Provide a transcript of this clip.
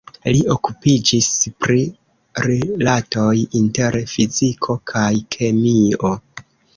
Li okupiĝis pri rilatoj inter fiziko kaj kemio.